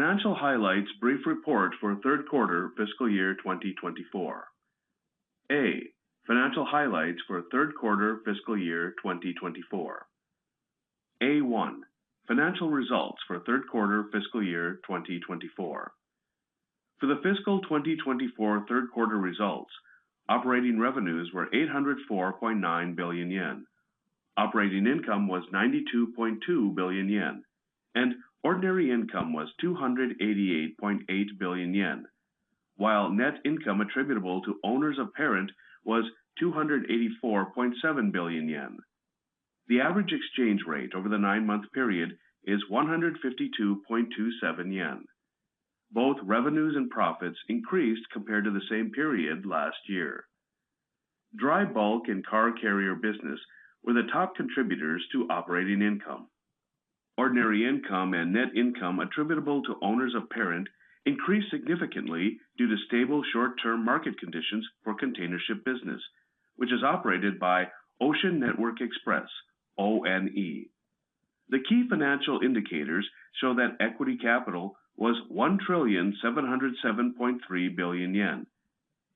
Financial highlights brief report for third quarter fiscal year 2024. A, financial highlights for third quarter fiscal year 2024. A1, financial results for third quarter fiscal year 2024. For the fiscal 2024 third quarter results, operating revenues were 804.9 billion yen, operating income was 92.2 billion yen, and ordinary income was 288.8 billion yen, while net income attributable to owners of parent was 284.7 billion yen. The average exchange rate over the nine-month period is 152.27 yen. Both revenues and profits increased compared to the same period last year. Dry bulk and car carrier business were the top contributors to operating income. Ordinary income and net income attributable to owners of parent increased significantly due to stable short-term market conditions for container ship business, which is operated by Ocean Network Express, ONE. The key financial indicators show that equity capital was 1 trillion 707.3 billion,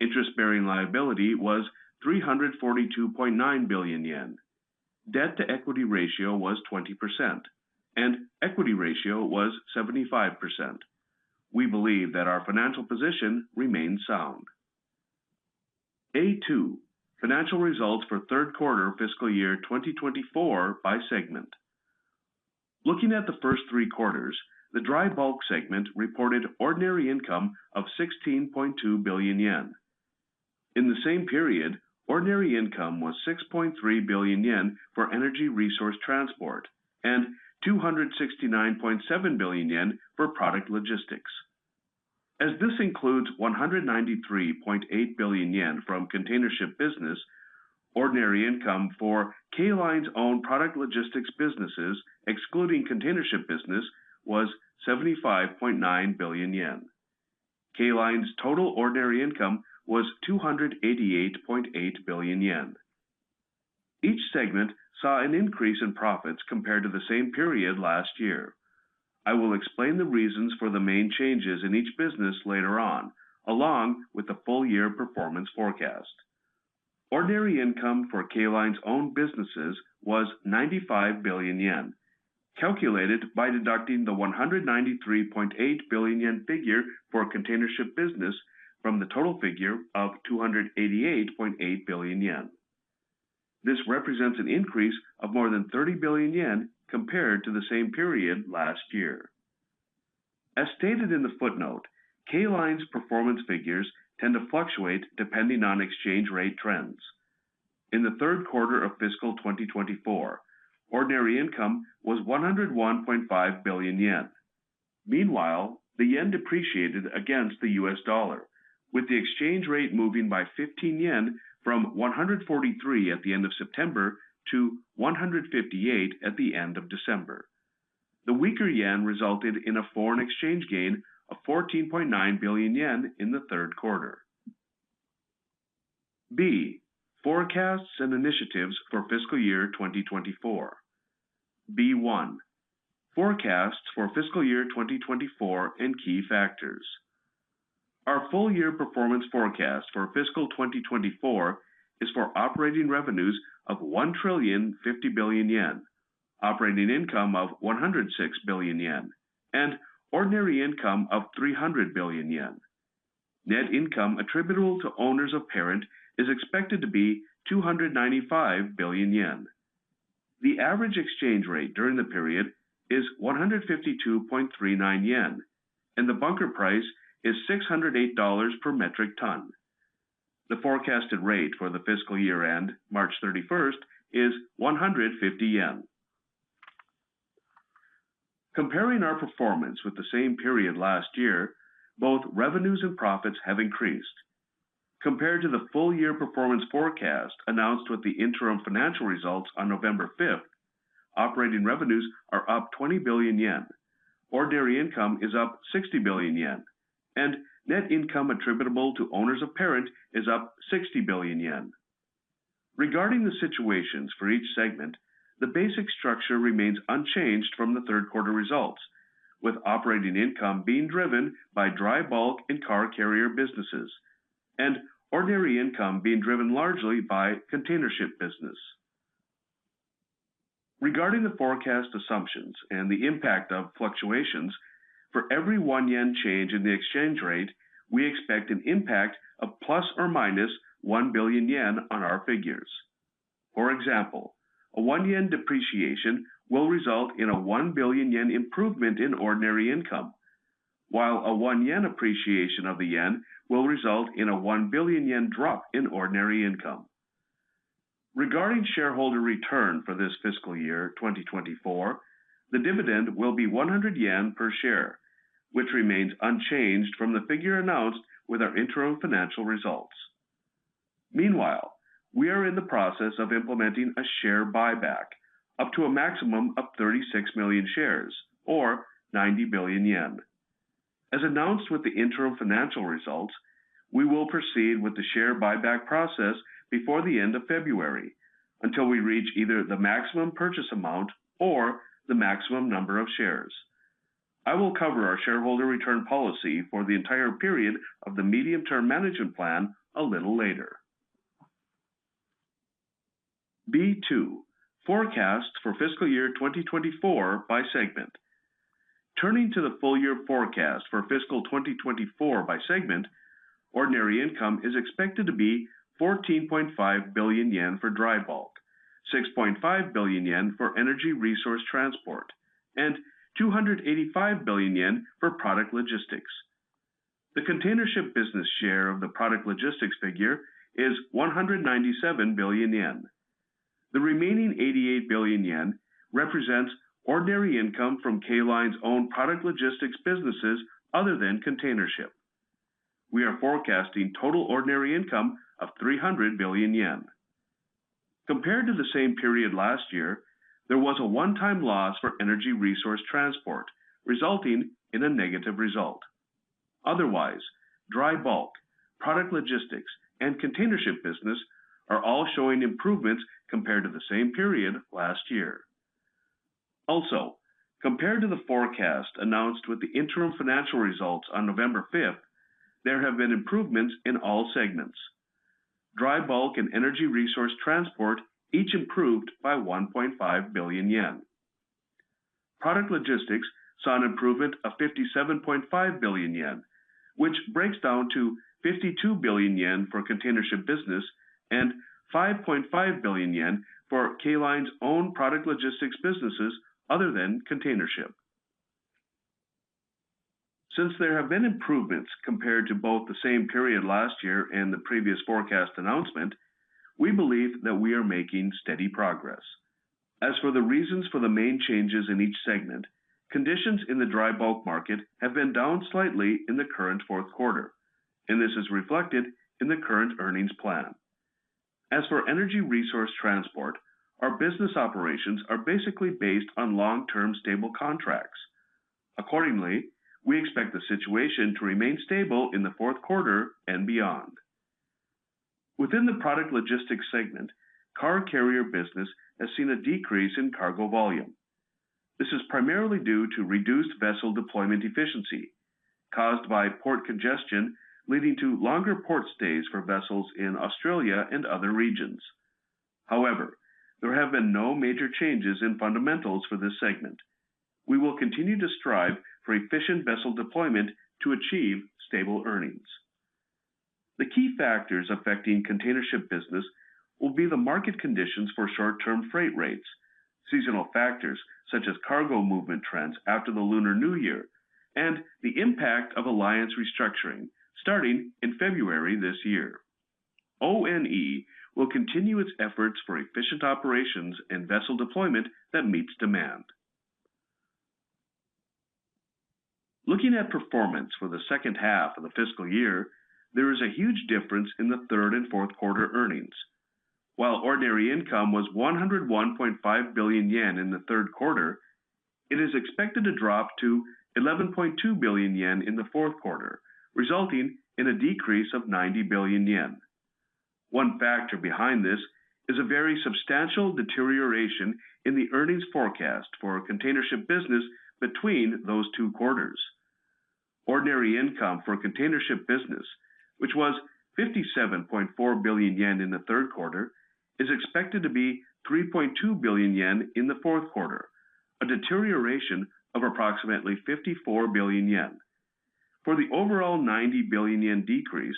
interest-bearing liability was 342.9 billion yen, debt-to-equity ratio was 20%, and equity ratio was 75%. We believe that our financial position remains sound. A2, financial results for third quarter fiscal year 2024 by segment. Looking at the first three quarters, the dry bulk segment reported ordinary income of 16.2 billion yen. In the same period, ordinary income was 6.3 billion yen for energy resource transport and 269.7 billion yen for product logistics. As this includes 193.8 billion yen from container ship business, ordinary income for K Line's own product logistics businesses, excluding container ship business, was 75.9 billion yen. K Line's total ordinary income was 288.8 billion yen. Each segment saw an increase in profits compared to the same period last year. I will explain the reasons for the main changes in each business later on, along with the full-year performance forecast. Ordinary income for K Line's own businesses was 95 billion yen, calculated by deducting the 193.8 billion yen figure for container ship business from the total figure of 288.8 billion yen. This represents an increase of more than 30 billion yen compared to the same period last year. As stated in the footnote, K Line's performance figures tend to fluctuate depending on exchange rate trends. In the third quarter of fiscal 2024, ordinary income was 101.5 billion yen. Meanwhile, the yen depreciated against the U.S. dollar, with the exchange rate moving by 15 yen from 143 at the end of September to 158 at the end of December. The weaker yen resulted in a foreign exchange gain of 14.9 billion yen in the third quarter. B, forecasts and initiatives for fiscal year 2024. B1, forecasts for fiscal year 2024 and key factors. Our full-year performance forecast for fiscal 2024 is for operating revenues of 1 trillion 50 billion, operating income of 106 billion yen, and ordinary income of 300 billion yen. Net income attributable to owners of parent is expected to be 295 billion yen. The average exchange rate during the period is 152.39 yen, and the bunker price is $608 per metric ton. The forecasted rate for the fiscal year end, March 31st, is 150 JPY. Comparing our performance with the same period last year, both revenues and profits have increased. Compared to the full-year performance forecast announced with the interim financial results on November 5th, operating revenues are up 20 billion yen, ordinary income is up 60 billion yen, and net income attributable to owners of parent is up 60 billion yen. Regarding the situations for each segment, the basic structure remains unchanged from the third quarter results, with operating income being driven by dry bulk and car carrier businesses, and ordinary income being driven largely by container ship business. Regarding the forecast assumptions and the impact of fluctuations, for every one yen change in the exchange rate, we expect an impact of plus or minus one billion yen on our figures. For example, a one yen depreciation will result in a one billion yen improvement in ordinary income, while a one yen appreciation of the yen will result in a one billion yen drop in ordinary income. Regarding shareholder return for this fiscal year 2024, the dividend will be 100 yen per share, which remains unchanged from the figure announced with our interim financial results. Meanwhile, we are in the process of implementing a share buyback up to a maximum of 36 million shares, or 90 billion yen. As announced with the interim financial results, we will proceed with the share buyback process before the end of February until we reach either the maximum purchase amount or the maximum number of shares. I will cover our shareholder return policy for the entire period of the medium-term management plan a little later. B2, forecasts for fiscal year 2024 by segment. Turning to the full-year forecast for fiscal 2024 by segment, ordinary income is expected to be 14.5 billion yen for dry bulk, 6.5 billion yen for energy resource transport, and 285 billion yen for product logistics. The container ship business share of the product logistics figure is 197 billion yen. The remaining 88 billion yen represents ordinary income from K Line's own product logistics businesses other than container ship. We are forecasting total ordinary income of 300 billion yen. Compared to the same period last year, there was a one-time loss for energy resource transport, resulting in a negative result. Otherwise, dry bulk, product logistics, and container ship business are all showing improvements compared to the same period last year. Also, compared to the forecast announced with the interim financial results on November 5th, there have been improvements in all segments. Dry bulk and energy resource transport each improved by 1.5 billion yen. Product logistics saw an improvement of 57.5 billion yen, which breaks down to 52 billion yen for container ship business and 5.5 billion yen for K Line's own product logistics businesses other than container ship. Since there have been improvements compared to both the same period last year and the previous forecast announcement, we believe that we are making steady progress. As for the reasons for the main changes in each segment, conditions in the dry bulk market have been down slightly in the current fourth quarter, and this is reflected in the current earnings plan. As for energy resource transport, our business operations are basically based on long-term stable contracts. Accordingly, we expect the situation to remain stable in the fourth quarter and beyond. Within the product logistics segment, car carrier business has seen a decrease in cargo volume. This is primarily due to reduced vessel deployment efficiency caused by port congestion, leading to longer port stays for vessels in Australia and other regions. However, there have been no major changes in fundamentals for this segment. We will continue to strive for efficient vessel deployment to achieve stable earnings. The key factors affecting container ship business will be the market conditions for short-term freight rates, seasonal factors such as cargo movement trends after the Lunar New Year, and the impact of Alliance restructuring starting in February this year. ONE will continue its efforts for efficient operations and vessel deployment that meets demand. Looking at performance for the second half of the fiscal year, there is a huge difference in the third and fourth quarter earnings. While ordinary income was 101.5 billion yen in the third quarter, it is expected to drop to 11.2 billion yen in the fourth quarter, resulting in a decrease of 90 billion yen. One factor behind this is a very substantial deterioration in the earnings forecast for container ship business between those two quarters. Ordinary income for container ship business, which was 57.4 billion yen in the third quarter, is expected to be 3.2 billion yen in the fourth quarter, a deterioration of approximately 54 billion yen. For the overall 90 billion yen decrease,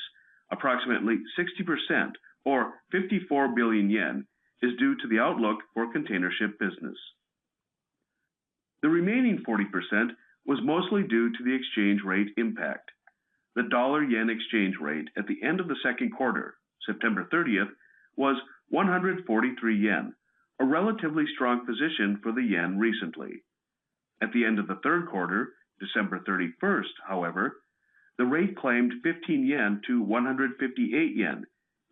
approximately 60%, or 54 billion yen, is due to the outlook for container ship business. The remaining 40% was mostly due to the exchange rate impact. The dollar-yen exchange rate at the end of the second quarter, September 30th, was 143 yen, a relatively strong position for the yen recently. At the end of the third quarter, December 31st, however, the rate climbed 15 yen to 158 yen,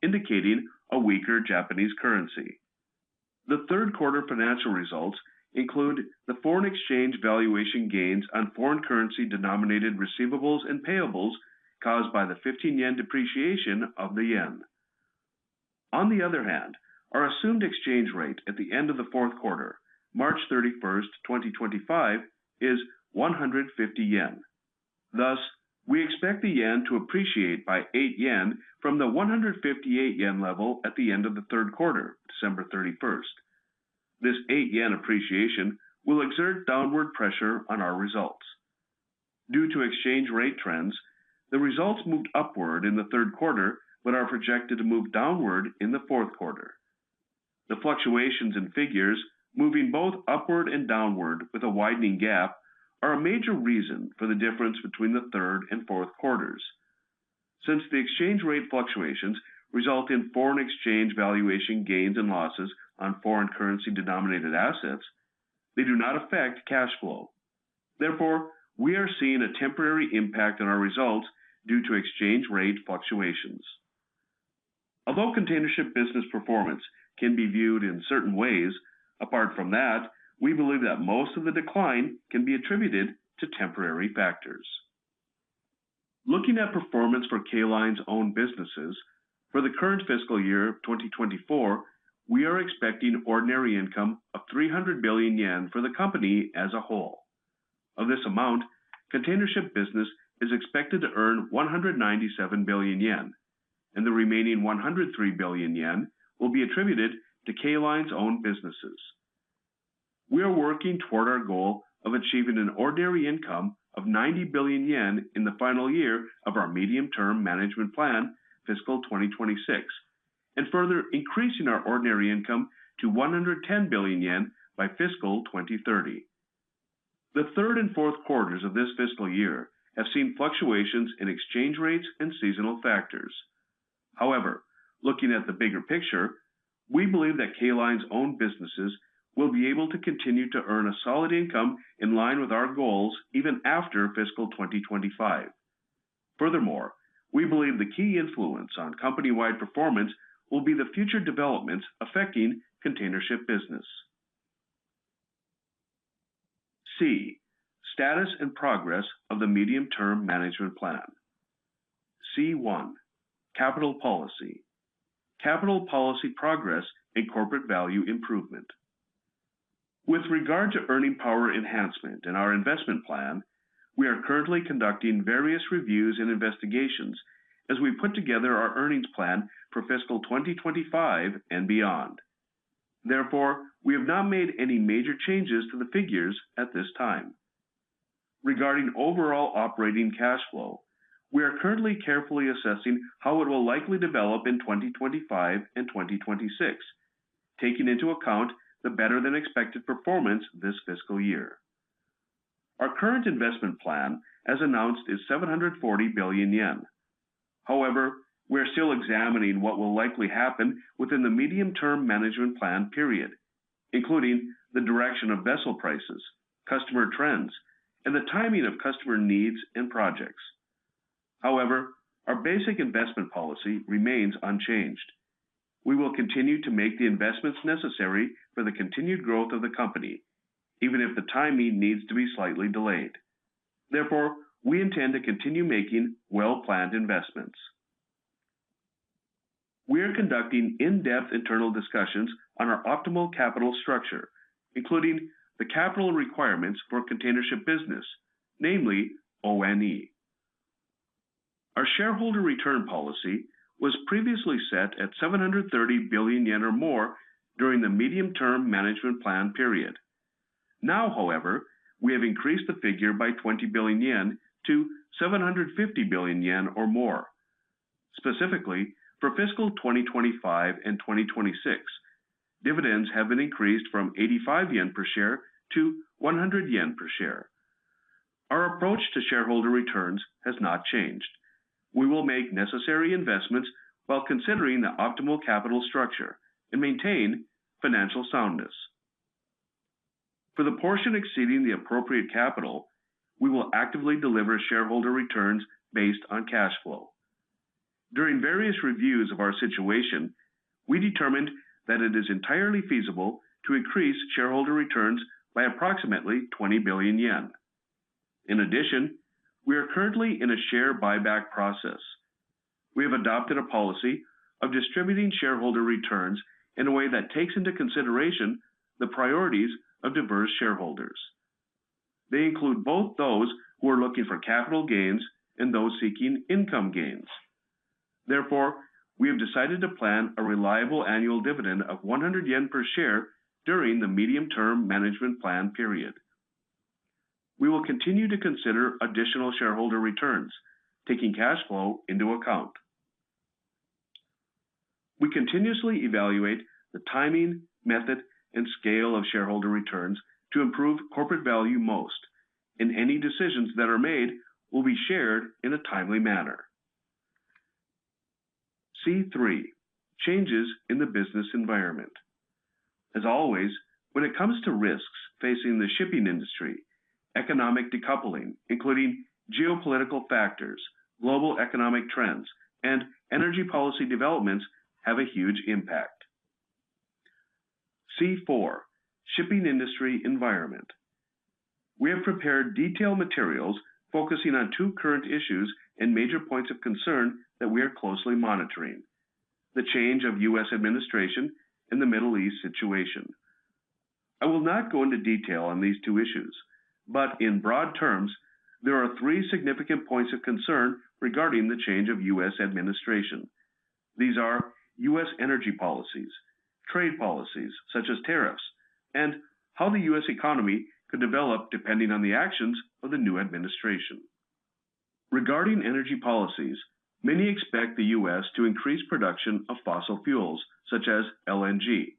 indicating a weaker Japanese currency. The third quarter financial results include the foreign exchange valuation gains on foreign currency-denominated receivables and payables caused by the 15 yen depreciation of the yen. On the other hand, our assumed exchange rate at the end of the fourth quarter, March 31st, 2025, is 150 yen. Thus, we expect the yen to appreciate by 8 yen from the 158 yen level at the end of the third quarter, December 31st. This 8 yen appreciation will exert downward pressure on our results. Due to exchange rate trends, the results moved upward in the third quarter, but are projected to move downward in the fourth quarter. The fluctuations in figures, moving both upward and downward with a widening gap, are a major reason for the difference between the third and fourth quarters. Since the exchange rate fluctuations result in foreign exchange valuation gains and losses on foreign currency-denominated assets, they do not affect cash flow. Therefore, we are seeing a temporary impact on our results due to exchange rate fluctuations. Although container ship business performance can be viewed in certain ways, apart from that, we believe that most of the decline can be attributed to temporary factors. Looking at performance for K Line's own businesses, for the current fiscal year 2024, we are expecting ordinary income of 300 billion yen for the company as a whole. Of this amount, container ship business is expected to earn 197 billion yen, and the remaining 103 billion yen will be attributed to K Line's own businesses. We are working toward our goal of achieving an ordinary income of 90 billion yen in the final year of our medium-term management plan, fiscal 2026, and further increasing our ordinary income to 110 billion yen by fiscal 2030. The third and fourth quarters of this fiscal year have seen fluctuations in exchange rates and seasonal factors. However, looking at the bigger picture, we believe that K Line's own businesses will be able to continue to earn a solid income in line with our goals even after fiscal 2025. Furthermore, we believe the key influence on company-wide performance will be the future developments affecting container ship business. C, status and progress of the medium-term management plan. C1, capital policy. Capital policy progress and corporate value improvement. With regard to earning power enhancement in our investment plan, we are currently conducting various reviews and investigations as we put together our earnings plan for fiscal 2025 and beyond. Therefore, we have not made any major changes to the figures at this time. Regarding overall operating cash flow, we are currently carefully assessing how it will likely develop in 2025 and 2026, taking into account the better-than-expected performance this fiscal year. Our current investment plan, as announced, is 740 billion yen. However, we are still examining what will likely happen within the medium-term management plan period, including the direction of vessel prices, customer trends, and the timing of customer needs and projects. However, our basic investment policy remains unchanged. We will continue to make the investments necessary for the continued growth of the company, even if the timing needs to be slightly delayed. Therefore, we intend to continue making well-planned investments. We are conducting in-depth internal discussions on our optimal capital structure, including the capital requirements for container ship business, namely ONE. Our shareholder return policy was previously set at 730 billion yen or more during the medium-term management plan period. Now, however, we have increased the figure by 20 billion yen to 750 billion yen or more. Specifically, for fiscal 2025 and 2026, dividends have been increased from 85 yen per share to 100 yen per share. Our approach to shareholder returns has not changed. We will make necessary investments while considering the optimal capital structure and maintain financial soundness. For the portion exceeding the appropriate capital, we will actively deliver shareholder returns based on cash flow. During various reviews of our situation, we determined that it is entirely feasible to increase shareholder returns by approximately 20 billion yen. In addition, we are currently in a share buyback process. We have adopted a policy of distributing shareholder returns in a way that takes into consideration the priorities of diverse shareholders. They include both those who are looking for capital gains and those seeking income gains. Therefore, we have decided to plan a reliable annual dividend of 100 yen per share during the medium-term management plan period. We will continue to consider additional shareholder returns, taking cash flow into account. We continuously evaluate the timing, method, and scale of shareholder returns to improve corporate value most, and any decisions that are made will be shared in a timely manner. C3, changes in the business environment. As always, when it comes to risks facing the shipping industry, economic decoupling, including geopolitical factors, global economic trends, and energy policy developments have a huge impact. C4, shipping industry environment. We have prepared detailed materials focusing on two current issues and major points of concern that we are closely monitoring: the change of U.S. administration and the Middle East situation. I will not go into detail on these two issues, but in broad terms, there are three significant points of concern regarding the change of U.S. administration. These are U.S. energy policies, trade policies such as tariffs, and how the U.S. economy could develop depending on the actions of the new administration. Regarding energy policies, many expect the U.S. to increase production of fossil fuels, such as LNG,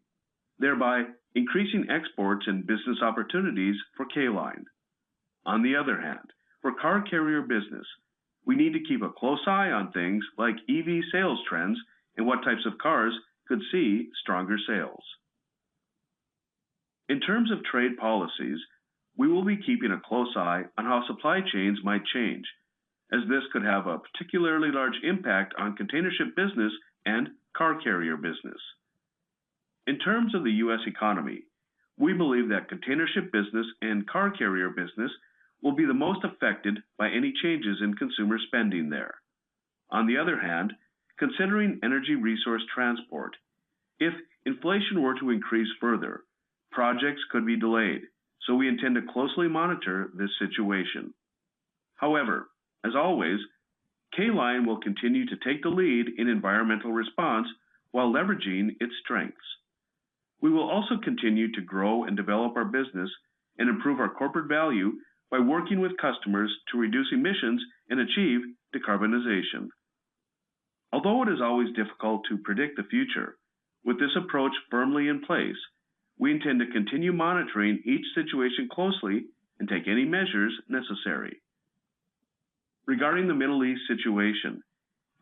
thereby increasing exports and business opportunities for K Line. On the other hand, for car carrier business, we need to keep a close eye on things like EV sales trends and what types of cars could see stronger sales. In terms of trade policies, we will be keeping a close eye on how supply chains might change, as this could have a particularly large impact on container ship business and car carrier business. In terms of the U.S. economy, we believe that container ship business and car carrier business will be the most affected by any changes in consumer spending there. On the other hand, considering energy resource transport, if inflation were to increase further, projects could be delayed, so we intend to closely monitor this situation. However, as always, K Line will continue to take the lead in environmental response while leveraging its strengths. We will also continue to grow and develop our business and improve our corporate value by working with customers to reduce emissions and achieve decarbonization. Although it is always difficult to predict the future, with this approach firmly in place, we intend to continue monitoring each situation closely and take any measures necessary. Regarding the Middle East situation,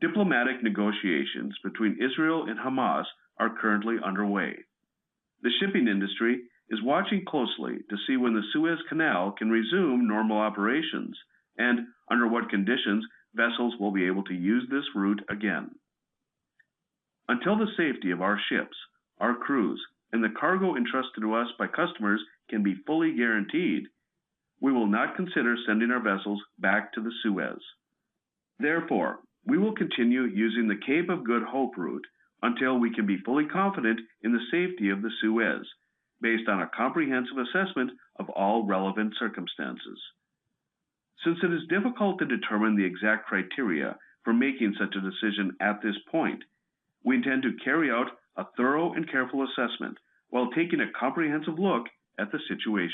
diplomatic negotiations between Israel and Hamas are currently underway. The shipping industry is watching closely to see when the Suez Canal can resume normal operations and under what conditions vessels will be able to use this route again. Until the safety of our ships, our crews, and the cargo entrusted to us by customers can be fully guaranteed, we will not consider sending our vessels back to the Suez. Therefore, we will continue using the Cape of Good Hope route until we can be fully confident in the safety of the Suez, based on a comprehensive assessment of all relevant circumstances. Since it is difficult to determine the exact criteria for making such a decision at this point, we intend to carry out a thorough and careful assessment while taking a comprehensive look at the situation.